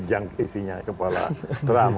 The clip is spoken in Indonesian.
junk isinya kepala trump